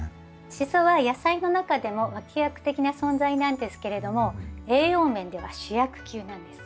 シソは野菜の中でも脇役的な存在なんですけれども栄養面では主役級なんです。